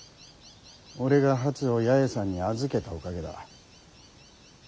俺が初を八重さんに預けたおかげだ。